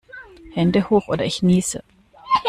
Hände hoch oder ich niese!